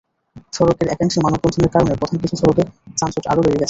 সড়কের একাংশে মানববন্ধনের কারণে প্রধান কিছু সড়কে যানজট আরও বেড়ে যায়।